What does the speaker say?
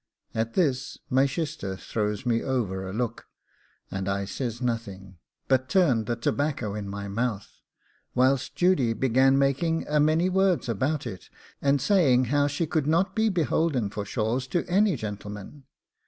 At this my shister throws me over a look, and I says nothing, but turned the tobacco in my mouth, whilst Judy began making a many words about it, and saying how she could not be beholden for shawls to any gentleman.